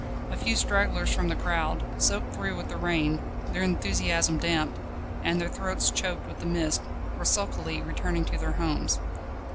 A few stragglers from the crowd, soaked through with the rain, their enthusiasm damped, and their throats choked with the mist, were sulkily returning to their homes.